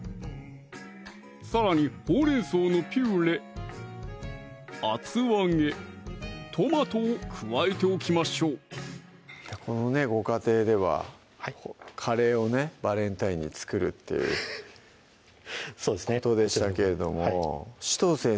さらにほうれん草のピューレ・厚揚げ・トマトを加えておきましょうこのご家庭ではカレーをねバレンタインに作るっていうことでしたけれども紫藤先生